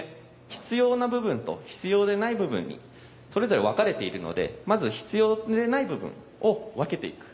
必要な部分と必要でない部分にそれぞれ分かれているのでまず必要でない部分を分けて行く。